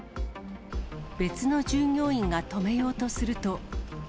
別の従業員が止めようとすると。